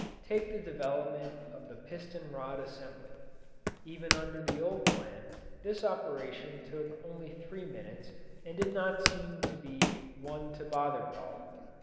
Take the development of the piston rod assembly. Even under the old plan, this operation took only three minutes and did not seem to be one to bother about.